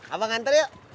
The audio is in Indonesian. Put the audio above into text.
abang gantar yuk